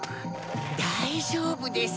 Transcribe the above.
大丈夫です。